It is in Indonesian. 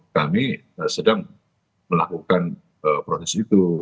kami sedang melakukan proses itu